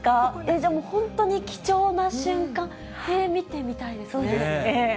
じゃあもう、本当に貴重な瞬間、そうですね。